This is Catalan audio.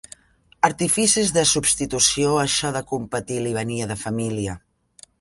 Artificis de substitució això de competir li venia de família.